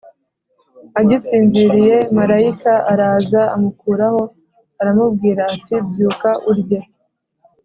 agisinziriye marayika araza amukoraho aramubwira ati “Byuka urye”